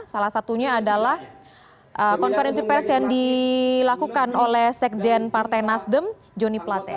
salah satunya adalah konferensi pers yang dilakukan oleh sekjen partai nasdem joni plate